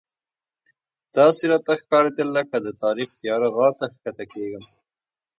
داسې راته ښکارېدل لکه د تاریخ تیاره غار ته ښکته کېږم.